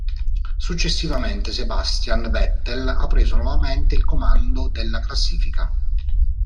Successivamente Sebastian Vettel ha preso nuovamente il comando della classifica.